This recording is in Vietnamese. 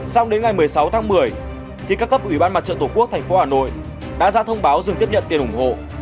sau đến ngày một mươi sáu tháng một mươi các cấp ủy ban mặt trợ tổ quốc thành phố hà nội đã ra thông báo dừng tiếp nhận tiền ủng hộ